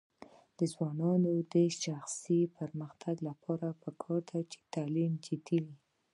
د ځوانانو د شخصي پرمختګ لپاره پکار ده چې تعلیم ته جدي وي.